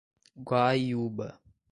Guaiúba